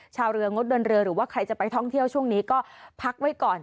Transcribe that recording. ชาวเรืองดเดินเรือหรือว่าใครจะไปท่องเที่ยวช่วงนี้ก็พักไว้ก่อน